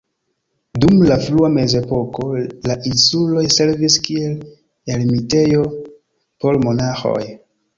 Dum la frua mezepoko la insuloj servis kiel ermitejo por monaĥoj.